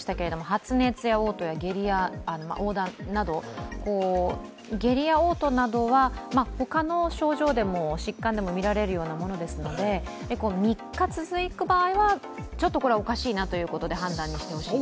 発熱やおう吐や下痢や黄疸など、下痢や嘔吐などは他の症状でも疾患でも見られるようなものですので３日続く場合は、ちょっとこれはおかしいなということで判断してほしい？